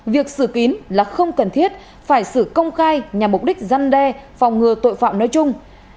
việc xử kín là không cần thiết phải xử công khai nhằm mục đích dân đe phòng ngừa tội phạm nói chung